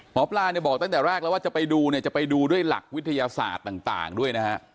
หมอปลาเนี่ยบอกตั้งแต่แรกแล้วว่าจะไปดูเนี่ยจะไปดูด้วยหลักวิทยาศาสตร์ต่างด้วยนะฮะ